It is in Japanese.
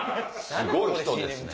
すごい人ですね。